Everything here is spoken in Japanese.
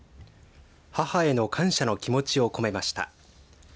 母への感謝の気持ちを込めました。